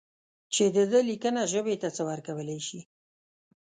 چې د ده لیکنه ژبې ته څه ورکولای شي.